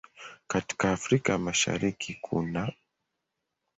Katika Afrika ya Mashariki kunaː